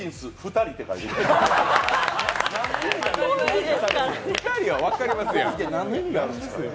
２人は分かりますやん。